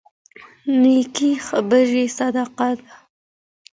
نيکې خبرې صدقه ده.